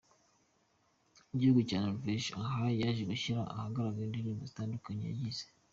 gihugu cya Norvege, aha yaje gushyira ahagaragara indirimbo zitandukanye zagiye.